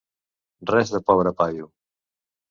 Res de pobre paio!